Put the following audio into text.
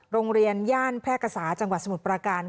โรงเรียนย่านแพร่กษาจังหวัดสมุทรประการ